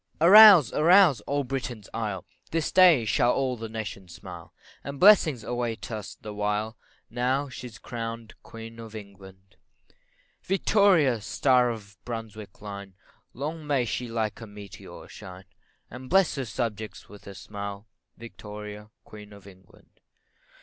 Arouse! arouse! all Britain's isle, This day shall all the nation smile, And blessings await on us the while, Now she's crown'd Queen of England Victoria, star of the Brunswick line, Long may she like a meteor shine, And bless her subjects with her smile, Victoria, Queen of England.